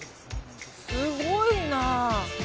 すごいな。